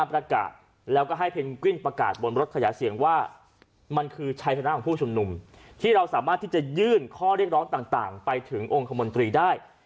ประกาศแล้วก็ให้เพนกวินประกาศบนรถขยายเสียงว่ามันคือชัยชนะของผู้ชุมนุมที่เราสามารถที่จะยื่นข้อเรียกร้องต่างไปถึงองค์คมนตรีได้